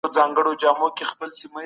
موږ په پښتو ژبي خپل کلتور لرو.